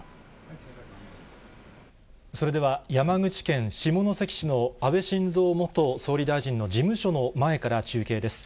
それでは、山口県下関市の安倍晋三元総理大臣の事務所の前から中継です。